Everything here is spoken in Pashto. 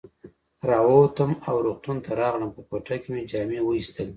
را ووتم او روغتون ته راغلم، په کوټه کې مې جامې وایستلې.